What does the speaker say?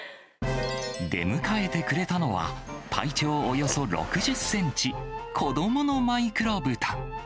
出迎えてくれたのは、体長およそ６０センチ、子どものマイクロブタ。